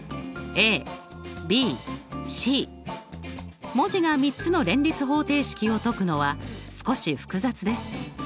ｂｃ文字が３つの連立方程式を解くのは少し複雑です。